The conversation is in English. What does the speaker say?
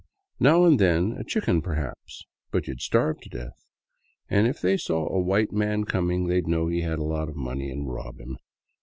Now and then a chicken perhaps, but you 'd starve to death. And if they saw a white man coming, they 'd know he had a lot of money and rob him.